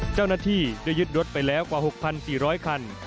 เจ้าหน้าที่ได้ยึดรถไปแล้วกว่า๖๔๐๐คัน